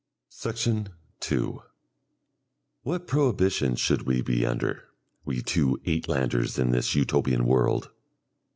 Section 2 What prohibitions should we be under, we two Uitlanders in this Utopian world?